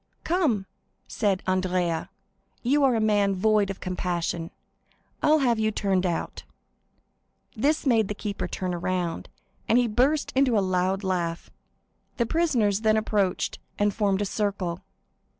"Come," said Andrea, "you are a man void of compassion; I'll have you turned out." This made the keeper turn around, and he burst into a loud laugh. The prisoners then approached and formed a circle.